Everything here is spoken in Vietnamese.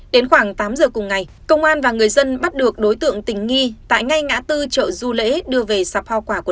đến khoảng tám giờ cùng ngày công an và người dân bắt được đối tượng tỉnh nghi tại ngay ngã tư chợ du lễ đưa về sạp